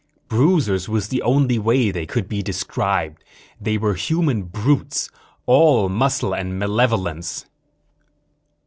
Bruisers was the only way they could be described. They were human brutes, all muscle and malevolence.